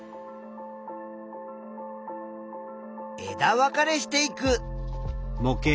枝分かれしていく。